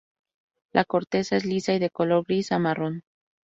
La corteza es lisa y de color gris a marrón.